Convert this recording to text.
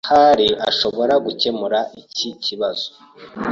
Ahari ashobora gukemura iki kibazo.